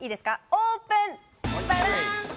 オープン！